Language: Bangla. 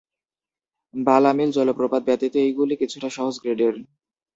বালা মিল জলপ্রপাত ব্যতীত এইগুলি কিছুটা সহজ গ্রেডের।